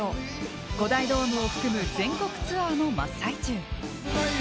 ５大ドームを含む全国ツアーの真っ最中。